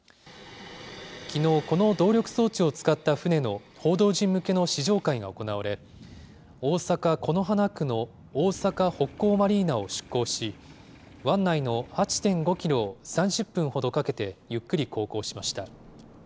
きのう、この動力装置を使った船の報道陣向けの試乗会が行われ、大阪・此花区の大阪北港マリーナを出港し、湾内の８．５キロを３０分ほどかけてゆっくり航行しました。